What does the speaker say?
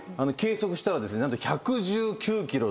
計測したらですね何と。